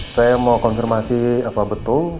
saya mau konfirmasi apa betul